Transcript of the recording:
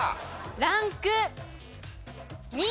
ランク２。